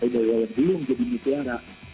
tapi kalau yang belum jadi muciara